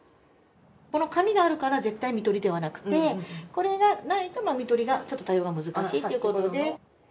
この紙があるから絶対看取りではなくてこれがないと看取りがちょっと対応が難しいということで。